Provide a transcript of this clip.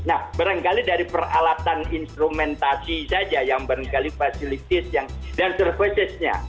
nah barangkali dari peralatan instrumentasi saja yang barangkali fasilitas dan services nya